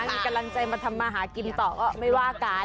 มีกำลังใจมาทำมาหากินต่อก็ไม่ว่ากัน